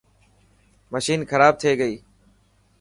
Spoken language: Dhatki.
مشين کراب ٿي گئي.